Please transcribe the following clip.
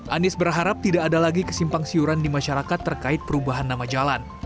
anies berharap tidak ada lagi kesimpang siuran di masyarakat terkait perubahan nama jalan